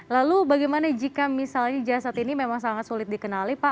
lalu bagaimana jika misalnya jasad ini memang sangat sulit dikenali pak